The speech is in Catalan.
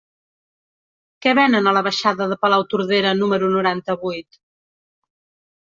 Què venen a la baixada de Palautordera número noranta-vuit?